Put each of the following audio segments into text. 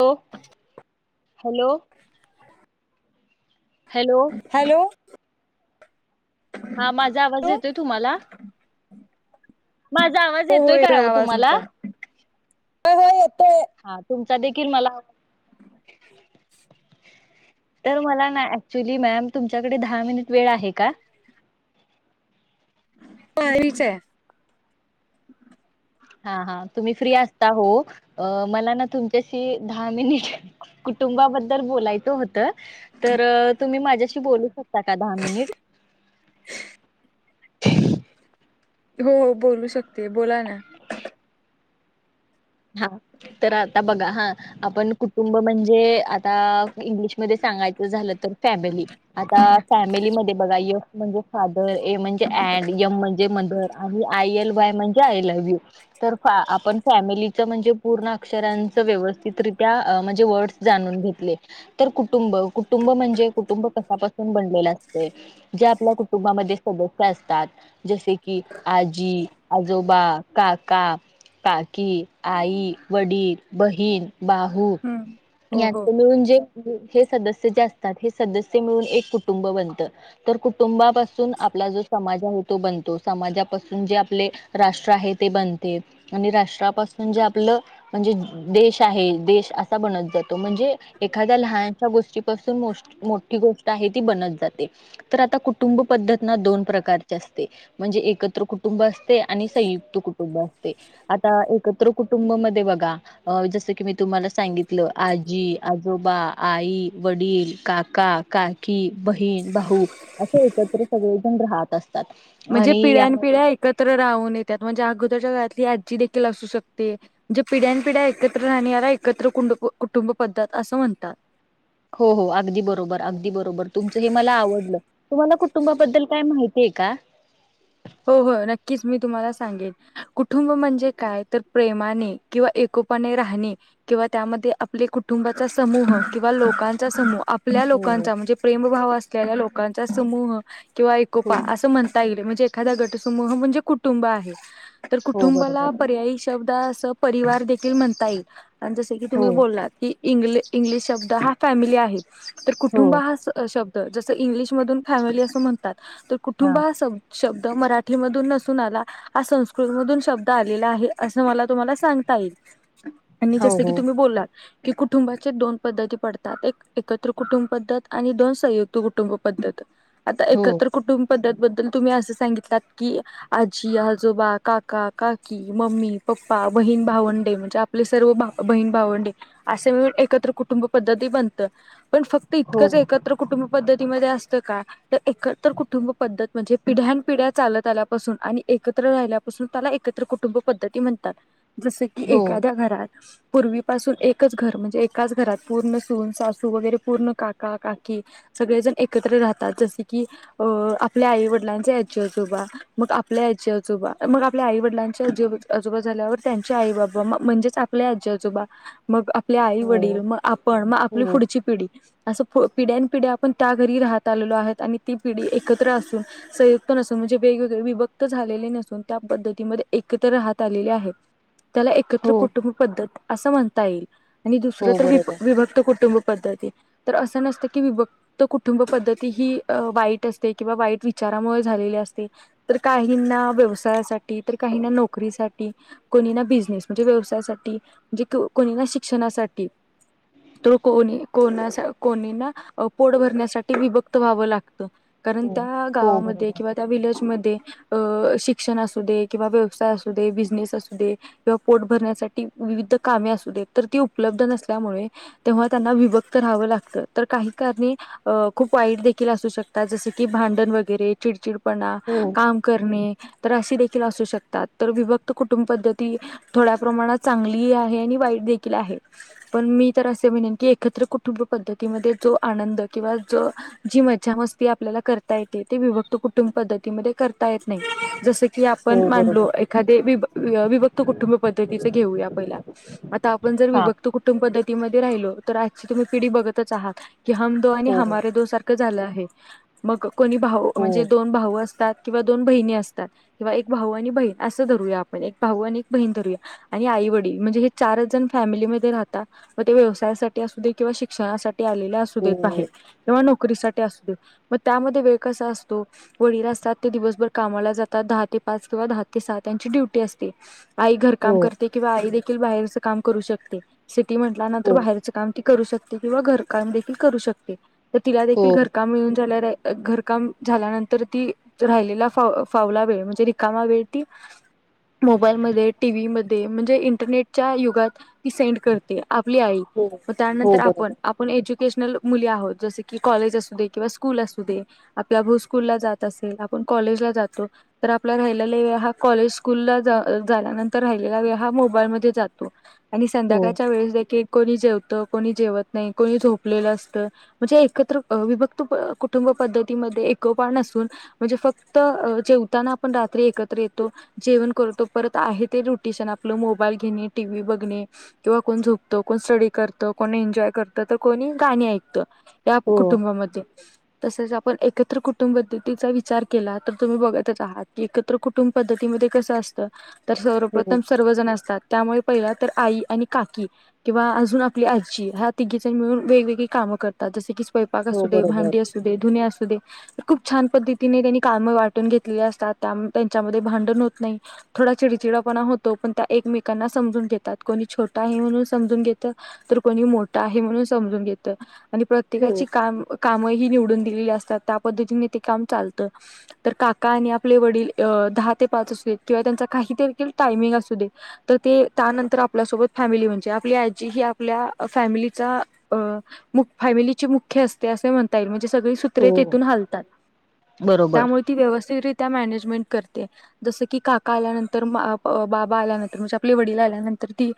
[unintelligible] ॅ hello hello hello हा माझा आवाज हो येतोय तुम्हाला माझा आवाज हो येतोय कायवं आवाज तुम्हाला तुमचा होय होय येतोय हा मला तर मला ना ऍक्चुली मॅम तुमच्याकडे दहा मिनिट वेळ आहे का हो हच आहे हा हा तुम्ही फ्री असता हो मला ना तुमच्याशी दहा मिनिट कुटुंबाबद्दल बोलायचं होतं तर तुम्ही माझ्याशी बोलू शकता का दहा मिनिट हो बोलू शकते बोला ना ह हा तर आता बघा हा आपण कुटुंब म्हणजे आता इंग्लिशमध्ये सांगायचं झालं तर फॅमिली आता फॅमिलीमध्ये बघा य म्हणजे फादर ए म्हणजे अऍड यम म्हणजे मधर आणि आय एल वाय म्हणजे आय लव्ह यू तर फ आपण फॅमिली म्हणजे पूर्ण अक्षरांच व्यवस्थितरित्या म्हणजे वर्डस जाणून घेतले तर कुटुंब कुटुंब म्हणजे कुटुंब कशपासून बनलेलं असते जे आपल्या कुटुंबामध्ये सदस्य असतात जसे की आजी आजोबा काका काकी आई वडील बहीण बाहू हम्म हो हो यांच मिळून जे हे सदस्य जे असतात हे सदस्य मिळून एक कुटुंब बनत तर कुटुंबापासून आपला जो समाज आहे तो बनतो समाजापासून जे आपले राष्ट्र आहे ते बनते आणि राष्ट्रापासून म्हणजे आपलं म्हणजे देश आहे देश असा बनत जातो म्हणजे एखाद्या लहानशा गोष्टीपासून मो मोठी गोष्ट आहे ती बनत जाते तर आता कुटुंब पद्धत ना दोन प्रकारचे असते म्हणजे एकत्र कुटुंब अस आणि संयुक्त कुटुंब आता एक एकत्र कुटुंब मध्ये बघा जस की मी तुम्हाला सांगितलं आजी आजोबा आई वडील काका काकी बहीण भाऊ असं तरी सगळेजण राहत असतील म्हणजे पिढ्या पिढ्या एकत्र राहून येतात म्हणजे अगोदरच्या घरात आजी देखील असू शकते म्हणजे पिढ्यापिढ्या एकत्र राहण्याला एकत्र कुं कुटुंब पद्धत असं म्हणतात हो हो अगदी बरोबर अगदी बरोबर तुमचं हे मला आवडलं तुम्हाला कुटुंबाबद्दल काय माहिती ठीक आहे हो हो नक्कीच मी तुम्हाला सांगेन कुटुंब म्हणजे काय तर प्रेमाने किंवा एकोपाने राहणे किंवा त्यामध्ये आपले कुटुंबाचा समूह किंवा लोकांचा समूह आपल्या हो लोकांचा म्हणजे प्रेमभव अस लोकांचा समूह किंवा हो एकपा असं म्हणता येईल एखादा गटसमूह म्हणजे कुटुंब आहे तर हो कुटुंबाला बरोबर पर्यायी शब्द अस परिवार देखील म्हणता येईल जस की हो तुम्ही बोललात की इंग्ल इंग्लिश शब्द हा फॅमिली आहे तर हो कुटुंबा हा शब् जसं इंग्लिशमधून फॅमिली असं म्हणतात तर कुटुंब हा स शब्द मराठी मधून नसून आला हा संस्कृत मधून शब्द आलेला आहे असं मला तुम्हाला सांगता येईल आणि हो जसं की हो तुम्ही बोलाल की कुटुंबाचे दोन पद्धती पडतात एक एकत्र कुटुंब पद्धत आणि दोन संयुक्त कुटुंब पद्धत आता हो एकत्र कुटुंब पद्धती बदल तुम्ही असं सांगितलात की आजी आजोबा काका काकी मम्मी पप्पा बहीण भावंडे म्हणजे आपले सर्व बहीण भावंडे असे मिून एकत्र कुटुंब पद्धती बनत पण फक्त हो इतकंच एकत्र कुटुंब पद्धतीमध्ये अस का एकत कुटुंब पद्धत म्हणजे पिढ्यान पिढ्या चालत आल्यापासून आणि एकत्र राहिल्यापासून त्याला एकत्र कुटुंब पद्धती म्हणतात जस की हो एखाद्या घरात पूर्वीपासून एकच घर म्हणजे एकाच घरात पूर्ण सून सासू वगैरे पूर्ण काका काकी सगळेजण एकत्र राहतात जसे की अ आपल्या आईव डलांचे आजी आजोबा मग आपल्या आजी आजोबा मग आपल्या आई वडिलांच्या आजी आजोबा झाल्यावर त्यांचे आई बाबा म्हणजेच आपल्या आजी आजोबा मग आपले आई हो वडील मग आपण मग आपली हो पुढची पिढी असं पिढ्यान पिढ्या आपण त्या घरी राहत आलेलो आहे आणि ती पिढी एकत्र असून संयुक्त नसून म्हणजे वेगवेगळे विभक्त झालेले नसून त्या पद्धतीमध्ये एकत्र राहत आलेले आहे त्याला एकत्र हो कुटुंब पद्धत असं म्हणता येईल आणि दुसरं हो तर वि बरोबर विभक्त कुटुंब अस नत क विक्त कुटुंब पद्ती ह वाईट असते किंवा वा विचारामुळे झालेले असते तर काहींना व्यवसायासाठी तर काहींना नोकरीसाठी कोणी ना बिझनेस म्हणजे व्यवसायासाठी म्हणजे कोणी ना शिक्षणासाठी तर कोणी कोणा कोणीना पोड भरण्यासाठी विभक्त व्हावं लागतं कारण हो त्या हो गावामध्ये बरोबर किं त्यालेज शिक्षण अस दे किंवा व्यवसाय अस दे बिनेस अस दे किवा पोट भरण्यासाठी विविध कामे असू दे तर ती उपलब्ध नसल्यामुळे तेव्हा त्यांना विभक्त राहावं लागत तर काही कारणी खूप वाईट देील असू शकतात जस की भांडण व वगैे चिडचिड पणा हो काम करणे तर अशी देखील असू शकतात तर विभक्त कुटुंब पद्धती थोड्या प्रमाणात चांगली आहे आणि वाईट देखील आहे पण मी तर असे म्हणेन की एकत्र कुटुंब पद्धतीमध्ये जो आनंद किंवा ज जी मज्जा मस्ती आपल्याला करता येते ते विभक्त कुटुंब पद्धती करता येत नाही जस क क आपण हो बरोबर माांडलो एखादे विभक्त कुटुंब पद्धतीचे घेऊ या पहिला आता आपण जर हा विभक्त कुटुंब पद्धतीमध्ये राहिलो तर आजची तुम्ही पिढी बघतच आहात कि हम दो आणि हो हमारे दो सारखं झालं मग कोणी भाऊ हो म्हणजे दोन भाऊ असतात किंवा दोन बहिणी असतात किंवा एक भाऊ आणि बहीण असं धरूया आपण एक भाऊ आणि एक बहीण धरूया आणि आई वडील म्हणजे हे चारच जण फॅमिलीमध्येध्ये राहतात मग ते व्यवसायासाठी असू दे किंवा शिक्षणासाठी आलेले असु देत हो बाहेर किंवा नोक [unintelligible] असुदे म त्यामध्ये वेळ असतो वडील असतात ते दिवसभर कामाला जातात दहा ते पाच किंवा दहा ते स त्यांची ड्युटी असते आई घर हो काम करते किंवा आई दे बाहेरच काम करू शकते सिटी म्हटल्या नंतर हो बाहेरच काम करू शकते किंवा घरकाम देखील करू शकते तर तिला देखील हो घरकाम मिळूनन झाल्या र आहे घरकाम झाल्यानंतर ती राहिलेला फ फावला वेळ म्हणजे रिकामा वेळ ती मोबाईल म टीव् म म्हणजे इंटरनेटच्या युगात ती सेंड करते आपली आई हो व हो त्यानंतर आपण बरोबर आपण एज्युकेशनल मुली आहोत जस कॉलेज असू दे किं स्कूल असू आपण ला स्कूल जात असेल आपण कॉलेजला जातो तर आपला राहिवे हा कॉले स्कूल वरून आल्यानंतर राहिलेला वेळ हा मोबाईल मधे जातो आणि हो संध्याकाळच्या वेळेस देखील कोणी जेवत कोणी जेवत नाही कोणी झोपलेलं असतं म्हणजे एकत्र विभक्तुठ कुटुंब पद्धतीमध्ये एकपण असून म्हणजे फक्त जेवताना आपण रात्री एकत्र येतो जेवण करतो परत आहे ते रुटिन आपलं मोबाईल घेणे टी व्ही बघणे किंवा कोण झोपतो कोण स्टडी करत कोण एन्जॉय करत तर कोणी गाणी ऐकतं त्या हो कुटुंबामध्ये तसेच आपण एकत्र कुटुंब पद्धतीचा विचार केला तर तुम्ही बघतच आहात की एकत्र कुटुंब पद्धतीमध्ये कसं असतं तर हो सर्वप्रथम सर्वजण असतात त्यामुळे पहि तर आई आणि काकी किंवा अजून आपली आजी ह्या तिघेण मिळून वेगवेगळी कामं करतात जस की स्वयंपाक हो असुदे बरोबर भांडी अस असू दे खूप छान पद्धतीने त्यांनी काम वाटून घेतलेले असतात त्या त्यांच्यामध्ये भांडण होत नाही थोडा चिडचिडपणा होतो पण त्या एकमेकांना समजून घेतात कोणी छोटा आहे म्हणून समजून घेत तर कोणी मोठं आहे म्हणून समजून घेत आणि हो प्रत्येकाची काम कामही निव दि असतात त्या पद्धतीने ते काम चालत तर काका आणि आपले वडील दहा ते पाच असू किंवा त्यांचा काही देखील टायमिंग असू दे तर ते त्यानंतर आपल्यासोबत फॅमिली म्हणजे आपली आजी ही आपल्या फॅमिलीचा फॅमिलीची मुख्य असते अस म्हणता येईल म्हणजे सगळी सुत्र हो तेथून हालतात बरोबर त्यामुळे ती व्यवस्थीत रीत्या मॅनेजमेंट करते जस की काका आल्यानंतर बाबा आल्यानंतर म्हणजे आपले वडील आल्यानंतर ती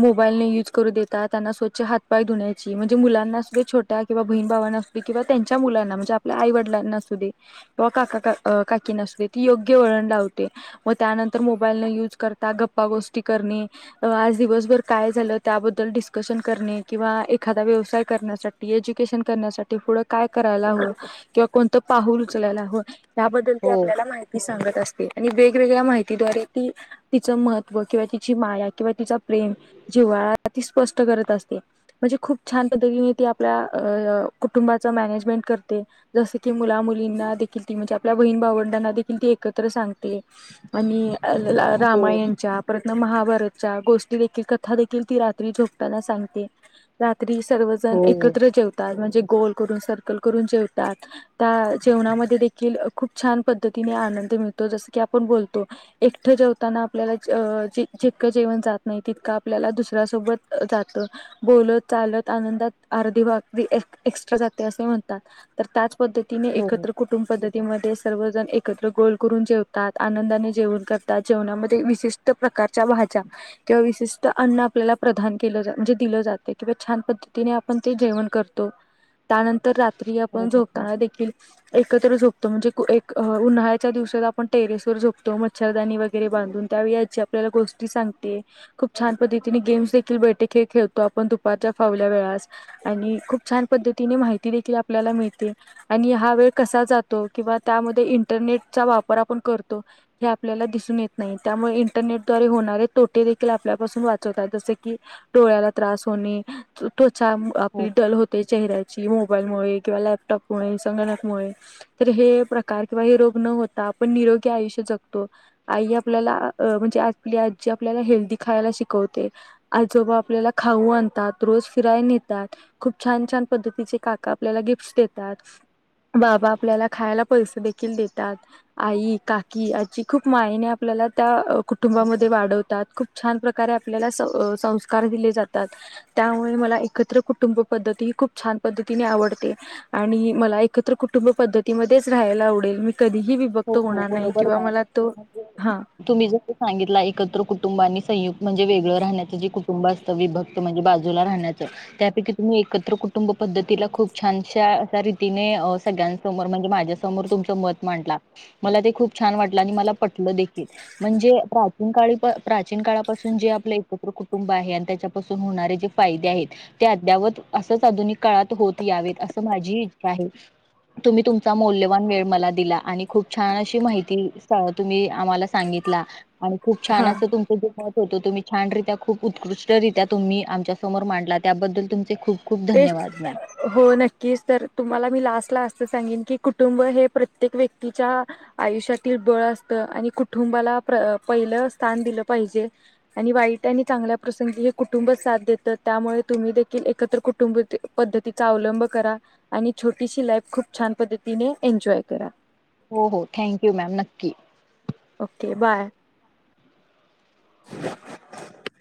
मोबाईल न युज करू देेतात त्यांना स्वच्छ हात पाय धुण्याची म्हणजे मुलांना सुद्धा छोट्या किंवा बहीण भावांना सुद्धा किंवा त्यांच्या मुलांना म्हणजे आपल्या आई वडिलांना अस दे किंवा काका काकी न अस दे ती योग्य वळण लावते व त्यानंतर मोबाईल न युज करता गप्पा गोष्टी करणे आज दिवसभर काय झालं त्याबद्दल डिस्कशन करणे किंवा एखादा व्यवसाय करण्यासाठी एज्युकेशन करण्यासाठी पुढ काय करायला ह किंवा कोणतं पाहल उचलायला हं याबद्दल ती हो आपल्याला माहिती सांगत असते आणि वेगवेगळ्या माहितीद्वारे ती तिचं महत्त्व किंवा तिची माया किंवा तिचा प्रेम जिव्हाळा ती स्पष्ट करत असते म्हणजे खूप छान पद्धतीने ती आपल्या कुटुंबाात मॅनेजमेंट करते जस की मुला मुलींना देखील ती म्हणजे आपल्या बहीण भावंडांना देखील ती एकत्र सांगते आणि हो रामायणच्या परतन महाभारतच्या गोष्टी देखील कथा देखील ती रात्री झोपताना सांगते तरी सर्वजण हो एकत्र जेवतात म्हणजे गोल कर सर्कल करून जेवतात त्या जेवणामध्ये देखील खूप छान पद्धतीने आनंद मिळतो जस की आपण बोलतो एकट जेवताना आपल्याला जितकं जेवण जात नाही तितकं आपल्याला दुसऱ्या सोबत जातं बोलत चालत आनंदात अर्धी वागदी तर त्याच असे म्हणतात त्या पद्धतीने हो हो एकत्र कुटुब पद्धती म सर्वजण एकत्र गोल करून जेवतात आनंदाने जेवण करतात जेवणामध्ये विशिष्ट प्रकारच्या भाज्या किंवा विशिष्ट अन्न आपल्याला प्रधान केलं म्हणजे दिलं जाते किंवा छान पद्धतीने आपण ते जेवण करतो त्यानंतर रा त्रीआपण बरोबर झोताना देखील एकत्र झोपतो म्हणजे एक उन्हाळ्याच्या दिवसात आपण टेरेस वर झोपतो मच्छरदानी वगैरे बांधून त्यावे याची आपल्याला गोष्टी सांगते खूप छान पद्धतीने गेम्स देखील बैठे खेळ खेळतो आपण दुपारच्या फावल्या वेळेस आणि खूप छान पद्धती तिने माहिती देखील आपल्याला मिळते आणि हा वेळ कसा जातो किंवा त्यामध्ये इंटरनेटचा वापर आपण करतो हे आपल्याला दिसून येत नाही त्यामुळे इंटरनेटद्वारे होणारे तोटे देखील आपल्यापासून वाचवतात जस की डोळ्याला त्रास होणे त्वचा हो आपली दल होते चेहराज मोबालमुळे किंवा लॅपटॉपमुळे संगणक मुळे तर हे प्रकार किंवा हे रोग न होता आपण निरोगी आयुष्य जगतो आई आपल्याला म्हणजे आपली आजी आपल्याला हेल्थदी खायला शिक ते आजोबा आपल्याला खाऊ आणतात रोज फिरा नेतात खूप छान छान पद्तीचे काका आपल्याला गिफ्ट देतात बाबा आपल्याला खायला पैसे देखील देतात आई काकी आजी देखील खूप मायने आपल्याला त्या कुटुंबामध्ये वाढवतात खूप प छान प्रकारे आपल्याला संस्कार दिले जातात त्यामुळे मला एकत्र कुटुंब पद्धती ह खूप छान पद्धतीने आवडते आणि मला एकत्र कुटुंब पद्धतीमध्येच राहायला आवडेल मी कधीही विभक्त हो हो होणार नाही बरोबर किंवा का मला तो हा तुम्ही जस सांगितला एकत्र कुटुंबानी संयुक्त म्हणजे वेग राहण्याच जे कुटुंब असतं विभक्त म्हणजे बाजूला राहण्याचं त्यापैकी तुम्ही एकत्र कुटुंब पद्धतीला खूप छानश्या रीतीने सगळ्यांसमोर म्हणजे माझ्यासमोर तुमचं मत मांडला मला ते खूप छान वाटलं आणि मला पटलं देखील म्हणजे प्राचीन काळी प्राचीन काळापासून जे आपलं एकत्र कुटुंब आहे आणि त्याच्यापासून होणारे जे फायदे आहेत ते अद्यावत असंच आधुनिक काळात होत यावेत असं माझी इच्छा आहे तुम्ही तुमचा मौल्यवान वेळ मला दिला आणि खूप छान अशी माहिती तुम्ही आम्हाला सांगितला आणि खूप छान हा असं तुमच जे मत होतो तुम्ही छानरित्या खूप उत्कृष्टरित्या तुमही आमच्या समोर मांडला त्याबद्दल तुमचे खूप खूप तेच धन्यवाद मॅम हो नक्कीच तर तुम्हाला मी लास्ट ला अस सांगन की कुटुंब हे प्रत्येक व्यक्तीच्या आयुष्यातील बळ असत आणि कुटुंबाला पहिलं स्थान दिलं पाहिजे आणि वाईट आणि चांगल्या प्रसंगी हे कुटुंब साथ देतं त्यामुळे तुम्ही देखील एकत्र कुटुंब कुटुंब पद्धतीचा अवलंब करा आणि छोटीशी लाईफ खूप छान पद्धतीने एन्जॉय करा हो हो थँक्यू मॅम नक्की ओके बाय [unintelligible]